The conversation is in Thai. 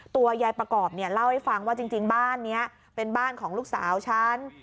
ตัวยายประกอบเนี่ยเล่าให้ฟังว่าจริงบ้านนี้เป็นบ้านของลูกสาวฉัน